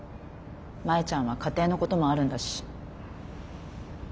舞ちゃんは家庭のこともあるんだし。